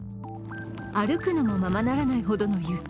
歩くのもままならないほどの雪。